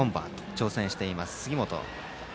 挑戦しています、杉本。